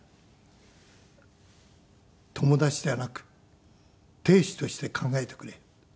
「友達ではなく亭主として考えてくれ」